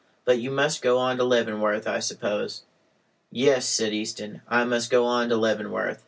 "But you must go on to Leavenworth, I suppose?" "Yes," said Easton, "I must go on to Leavenworth."